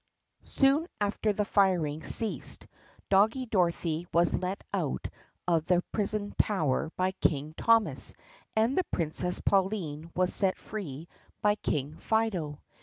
S OON after the firing ceased Doggie Dorothy was let out of the prison tower by King Thomas and the Princess Pauline was set free by King Fido.